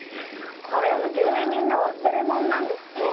これ芸人の忘れ物なんですって。